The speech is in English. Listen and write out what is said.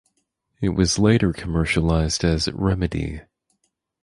It was later commercialized as "Remedy".